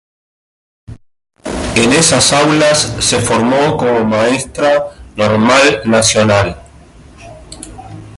En esas aulas se formó como maestra normal nacional.